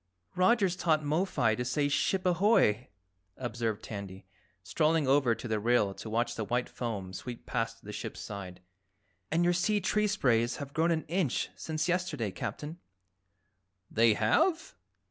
"Roger's taught Mo fi to say 'Ship ahoy!'" observed Tandy, strolling over to the rail to watch the white foam sweep past the ship's side. "And your sea tree sprays have grown an inch since yesterday, Captain." "They have?"